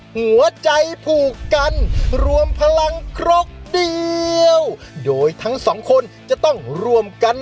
หัวใจผูกกันรวมพลังครกเดียวโดยทั้งสองคนจะต้องร่วมกัน